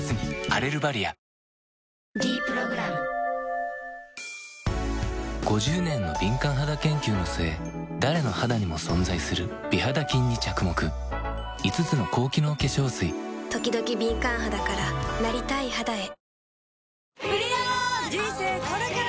「ｄプログラム」５０年の敏感肌研究の末誰の肌にも存在する美肌菌に着目５つの高機能化粧水ときどき敏感肌からなりたい肌へ人生これから！